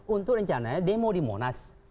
untuk rencananya demo di monas